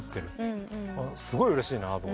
すごいうれしいなと。